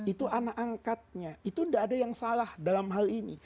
itu anak angkatnya itu tidak ada yang salah dalam hal ini